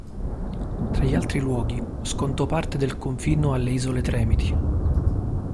Tra gli altri luoghi, scontò parte del confino alle Isole Tremiti.